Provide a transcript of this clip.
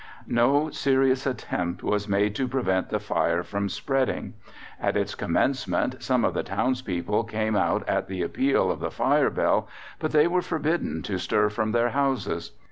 No serious attempt was made to prevent the fire from spreading. At its commencement some of the townspeople came out at the appeal of the Fire Bell, but they were forbidden to stir from their houses.